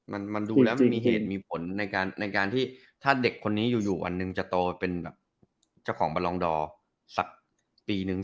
มันดูแล้วมันมีเหตุมีผลในการในการที่ถ้าเด็กคนนี้อยู่วันหนึ่งจะโตเป็นแบบเจ้าของบรรลองดอร์สักปีนึง